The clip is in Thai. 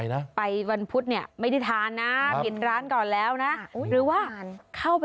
เห็นสีสันสวยงาม